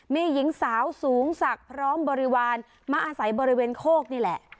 มีหญิงสาวสูงศักดิ์พร้อมบริวารมาอาศัยบริเวณโคกนี่แหละ